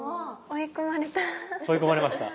追い込まれました。